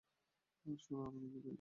আর সোনা, আমি নিজেই পেরেছি।